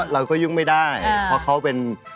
เราก็ยุ่งไม่ได้เพราะเขาเป็น